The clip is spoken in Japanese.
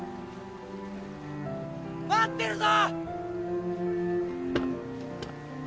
待ってるぞ！